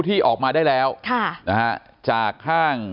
ที่ออกมาได้แล้วจากข้าง